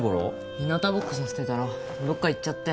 ひなたぼっこさせてたらどっか行っちゃって。